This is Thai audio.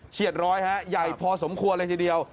เฉียดร้อยครับใหญ่พอสมควรเลยทีเดียว